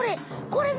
これ！